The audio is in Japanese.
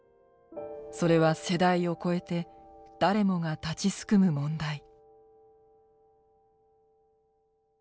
それは世代を超えて誰もが立ちすくむ問題。